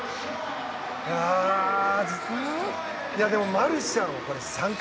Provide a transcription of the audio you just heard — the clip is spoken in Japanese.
マルシャン３冠。